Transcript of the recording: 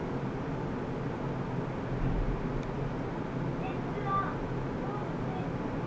先日はどうも失礼しました。